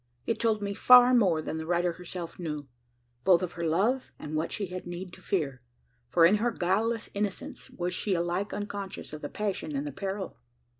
It told me far more than the writer herself knew both of her love and what she had need to fear: for, in her guileless innocence, was she alike unconscious of the passion and the peril.